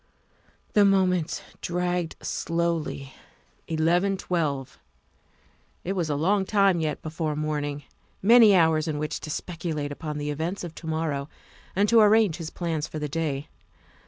The moments dragged slowly. Eleven twelve. It was a long time yet before morning; many hours in which to speculate upon the events of to morrow and to arrange his plans for the day.